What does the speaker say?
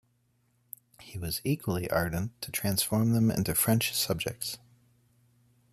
He was equally ardent to transform them into French subjects.